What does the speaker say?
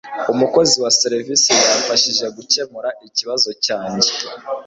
Umukozi wa serivisi yamfashije gukemura ikibazo cyanjye